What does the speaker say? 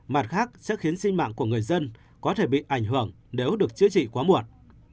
mặt khác sẽ khiến sinh mạng của người dân có thể bị ảnh hưởng nếu được chữa trị quá muộn